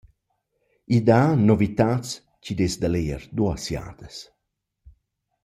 I dà novitats chi’d es da leger duos jadas.